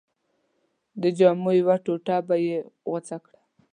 د جامو یوه ټوټه به یې غوڅه کړه.